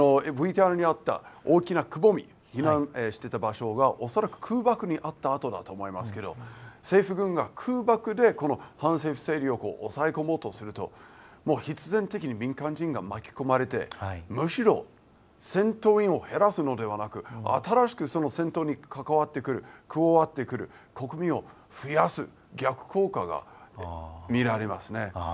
ＶＴＲにあった大きなくぼみ、避難してた場所が恐らく空爆に遭った跡だと思いますけど政府軍が空爆で反政府勢力を抑え込もうとすると必然的に民間人が巻き込まれて、むしろ戦闘員を減らすのではなく新しくその戦闘に関わってくる加わってくる国民を増やす逆効果が見られますね。